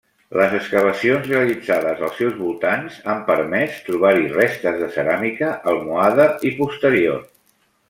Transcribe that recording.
Les excavacions realitzades als seus voltants han permès trobar-hi restes de ceràmica almohade i posterior.